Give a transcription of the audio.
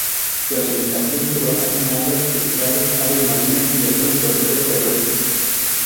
Su alimentación se basaba en algas, pescados, aves marinas y algunas verduras terrestres.